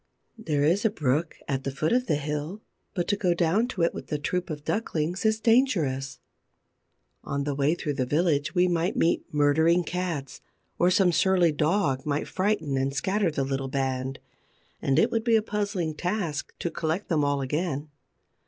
There is a brook at the foot of the hill, but to go down to it with the troop of ducklings is dangerous. On the way through the village we might meet murdering cats, or some surly dog might frighten and scatter the little band; and it would be a puzzling task to collect them all again.